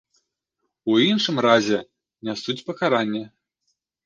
У іншым разе, нясуць пакаранне.